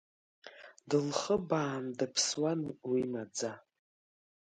Дылхыбаан дыԥсуан уи маӡа.